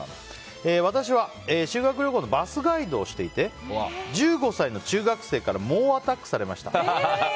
私は修学旅行のバスガイドをしていて１５歳の中学生から猛アタックされました。